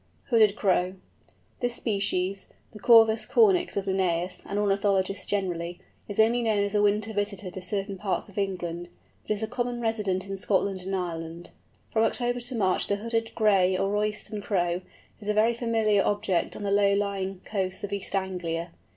HOODED CROW. This species, the Corvus cornix of Linnæus and ornithologists generally, is only known as a winter visitor to certain parts of England, but is a common resident in Scotland and Ireland. From October to March the Hooded, Gray, or Royston Crow, is a very familiar object on the low lying coasts of East Anglia.